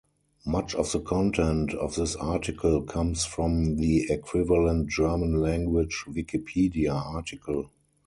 Much of the content of this article comes from the equivalent German-language Wikipedia article.